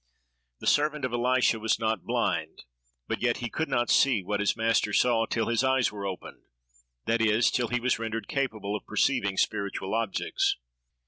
The servant of Elisha was not blind, but yet he could not see what his master saw, till his eyes were opened—that is, till he was rendered capable of perceiving spiritual objects.